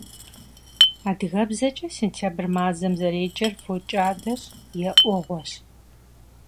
Адыгэбзэкӏэ сентябрь мазэм зэреджэр фокӀадэщ е Ӏуэгъуэщ.